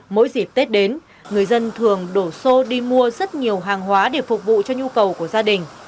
mỗi dịp tết đến người dân thường đổ xô đi mua rất nhiều hàng hóa để phục vụ cho nhu cầu của gia đình